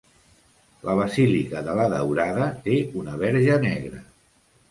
La basílica de la Daurada té una verge negra.